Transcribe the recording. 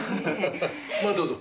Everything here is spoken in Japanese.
まあどうぞ。